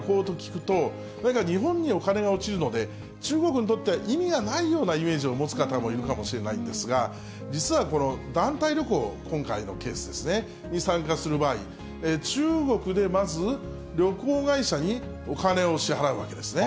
日本への旅行と聞くと、なんか、日本にお金が落ちるので、中国にとっては意味がないようなイメージを持つ方もいるかもしれないんですが、実はこの団体旅行、今回のケースですね、参加する場合、中国でまず、旅行会社にお金を支払うわけですね。